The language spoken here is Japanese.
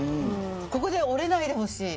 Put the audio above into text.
ここで折れないでほしい。